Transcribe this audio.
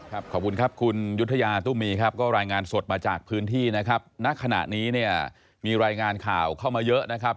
ขอบคุณครับคุณยุธยาตุ้มมีครับก็รายงานสดมาจากพื้นที่นะครับณขณะนี้เนี่ยมีรายงานข่าวเข้ามาเยอะนะครับ